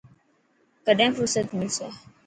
ڪڏهن فهرست ملسي.